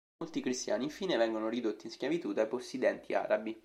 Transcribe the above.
Molti cristiani infine vengono ridotti in schiavitù dai possidenti arabi.